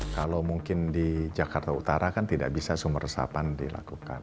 kalau mungkin di jakarta utara kan tidak bisa sumber resapan dilakukan